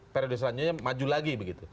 periode selanjutnya maju lagi begitu